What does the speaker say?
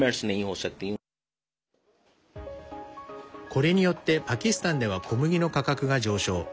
これによってパキスタンでは小麦の価格が上昇。